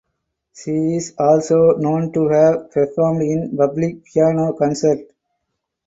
She is also known to have performed in public piano concerts.